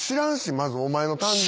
まずお前の誕生日。